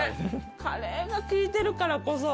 カレーが利いてるからこそ。